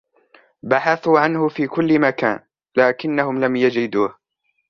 بحثوا عنه في كل مكان ، لكنهم لم يجدوه.